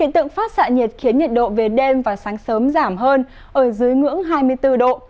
tượng phát xạ nhiệt khiến nhiệt độ về đêm và sáng sớm giảm hơn ở dưới ngưỡng hai mươi bốn độ